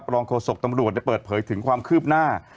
โฆษกตำรวจได้เปิดเผยถึงความคืบหน้า